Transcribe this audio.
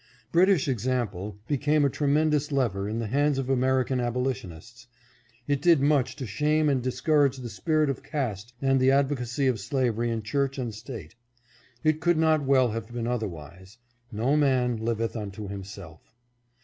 British example became a tremendous lever in the hands of American abolitionists. It did much to shame and discourage the spirit of caste and the advo cacy of slavery in church and state. It could not well have been otherwise. No man liveth unto himself.